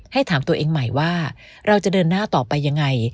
ถามตัวเองใหม่ว่าเราจะเดินหน้าต่อไปยังไง